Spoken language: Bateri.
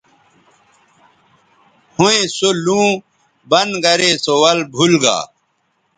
ھویں سو لُوں بند گرے سو ول بُھول گا